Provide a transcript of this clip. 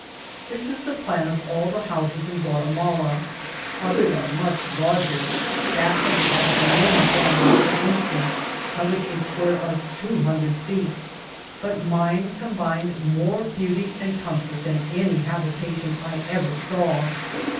This is the plan of all the houses in Ouatimala ; others are much larger ; that of the Ayci Aena fiunily, for instance, covered a square of two hun dred feet ; but mine combined more beauty and com fort than any habitatioB I ever saw.